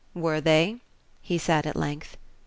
"Were they?" he said at length.